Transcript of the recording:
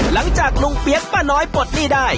หลังจากลุงเปี๊ยกป้าน้อยปลดหนี้ได้